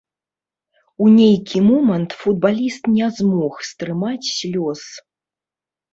У нейкі момант футбаліст не змог стрымаць слёз.